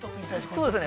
◆そうですね。